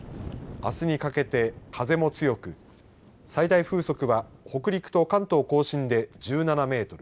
あすにかけて風も強く最大風速は北陸と関東甲信で１７メートル